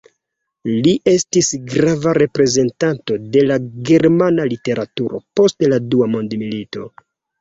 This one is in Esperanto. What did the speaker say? Li estis grava reprezentanto de la germana literaturo post la Dua mondmilito.